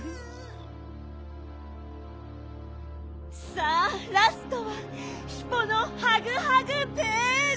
さあラストはヒポのハグハグヴェール！